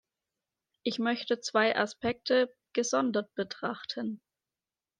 Ich möchte zwei Aspekte gesondert betrachten.